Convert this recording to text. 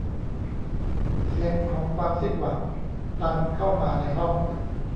เสียงของความสิ้นหวังดังเข้ามาในห้อง